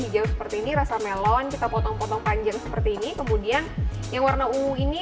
hijau seperti ini rasa melon kita potong potong panjang seperti ini kemudian yang warna ungu ini